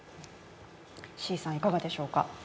志位さん、いかがでしょうか。